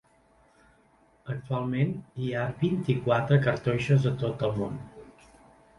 Actualment hi ha vint-i-quatre cartoixes a tot el món.